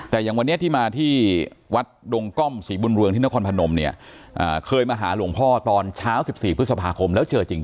แต่อย่างวันนี้ที่มาที่วัดดงก้อมศรีบุญเรืองที่นครพนมเนี่ยเคยมาหาหลวงพ่อตอนเช้า๑๔พฤษภาคมแล้วเจอจริง